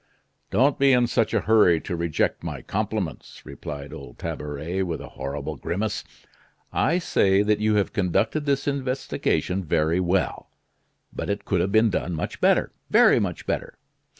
"Don't be in such a hurry to reject my compliments," replied old Tabaret, with a horrible grimace. "I say that you have conducted this investigation very well; but it could have been done much better, very much better.